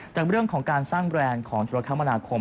จากเรื่องของการสร้างแบรนด์ของธุรกรรมนาคม